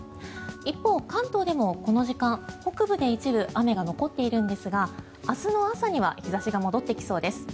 一方、関東でもこの時間北部で一部雨が残っているんですが明日の朝には日差しが戻ってきそうです。